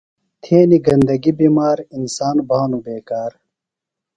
تھینیۡ گندگیۡ بِمار، انسان بھانوۡ بیکار